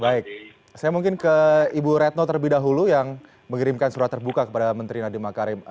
baik saya mungkin ke ibu retno terlebih dahulu yang mengirimkan surat terbuka kepada menteri nadiem makarim